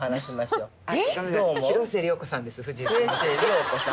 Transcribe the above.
広末涼子さん？